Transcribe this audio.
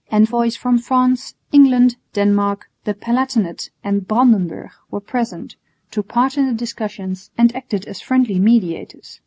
Envoys from France, England, Denmark, the Palatinate and Brandenburg were present, took part in the discussions, and acted as friendly mediators.